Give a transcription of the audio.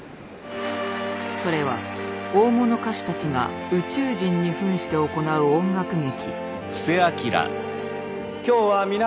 それは大物歌手たちが宇宙人にふんして行う音楽劇。